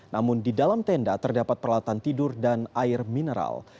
namun di dalam tenda terdapat peralatan tidur dan air mineral